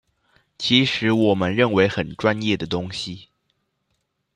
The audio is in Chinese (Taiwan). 其實我們認為很專業的東西